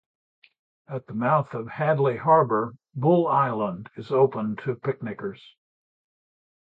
At the mouth of Hadley Harbor, Bull Island is open to picnickers.